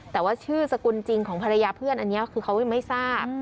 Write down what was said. แต่ว่าชื่อสกุลจริงของภรรยาเพื่อนอันนี้คือเขายังไม่ทราบ